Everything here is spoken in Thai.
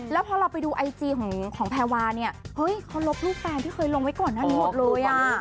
แล้วพอเราไปดูไอจีของแพรวาก็ลบลูกแฟนที่เคยลงไว้ก่อนนะทุกอย่าง